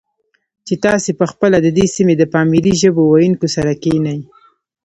چې تاسې په خپله د دې سیمې د پامیري ژبو ویونکو سره کښېنئ،